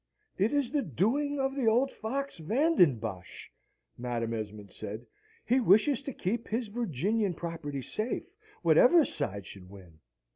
"It is the doing of the old fox, Van den Bosch," Madam Esmond said; "he wishes to keep his Virginian property safe, whatever side should win!"